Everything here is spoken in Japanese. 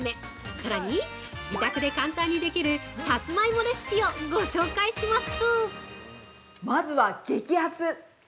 さらに自宅で簡単にできるさつまいもレシピをご紹介します。